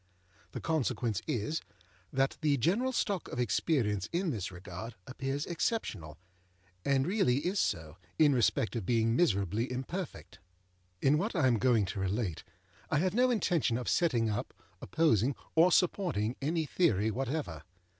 The consequence is, that the general stock of experience in this regard appears exceptional, and really is so, in respect of being miserably imperfect. In what I am going to relate, I have no intention of setting up, opposing, or supporting, any theory whatever.